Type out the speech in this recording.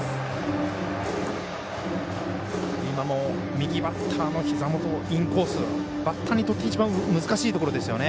右バッターのひざ元インコースバッターにとって一番難しいところですよね。